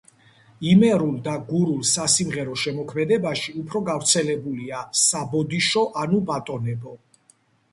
იმერულ და გურულ სასიმღერო შემოქმედებაში უფრო გავრცელებულია „საბოდიშო“ ანუ „ბატონებო“.